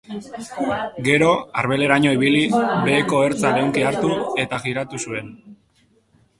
Gero, arbeleraino ibili, beheko ertza leunki hartu, eta jiratu zuen.